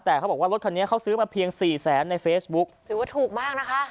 แต่เขาบอกว่ารถคันนี้เขาซื้อมาเพียงสี่แสนในเฟซบุ๊กถือว่าถูกมากนะคะ